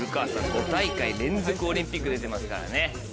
５大会連続オリンピック出てますからね。